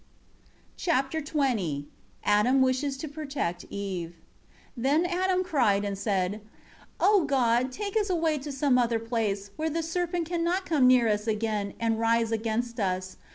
Chapter XX Adam wishes to protect Eve. 1 Then Adam cried and said, "O God, take us away to some other place, where the serpent can not come near us again, and rise against us.